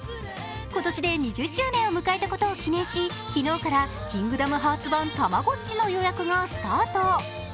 今年で２０周年を迎えたことを記念し、昨日から「キングダムハーツ版たまごっち」の予約がスタート。